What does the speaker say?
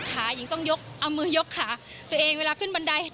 หญิงต้องยกเอามือยกขาตัวเองเวลาขึ้นบันได